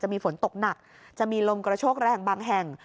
มีฝนตกหนักจะมีลมกระโชกแรงบางแห่ง